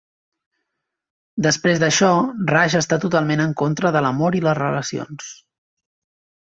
Després d'això, Raj està totalment en contra de l'amor i les relacions.